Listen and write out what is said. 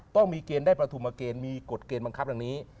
ต้องมีเกณฑ์ได้ประทุมเกณฑ์มีกฎเกณฑ์บังคับอย่างนี้